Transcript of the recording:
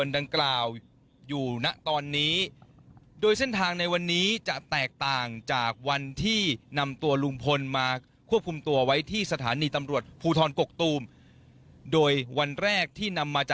เดี๋ยวติดตามสดจากคุณกะลินบนรถฮะ